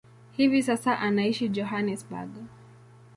Hivi sasa anaishi Johannesburg.